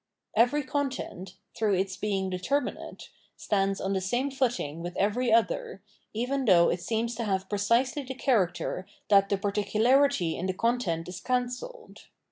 Every content, through its being determinate, stands on the same footing with every other, even though it seems to have precisely the character that the particularity in the content is cancelled.